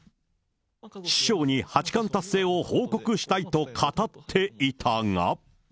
師匠に八冠達成を報告したいと語っていたが。